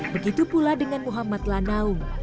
begitu pula dengan muhammad lanaung